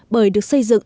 bởi được xây dựng